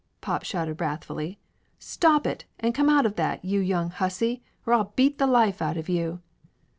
pop shouted wrathfully. "Stop it and come out of that, you young hussy, or I'll beat the life out of you!"